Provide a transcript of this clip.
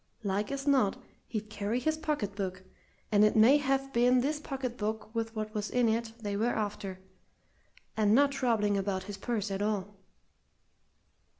Like as not he'd carry his pocket book, and it may have been this pocket book with what was in it they were after, and not troubling about his purse at all."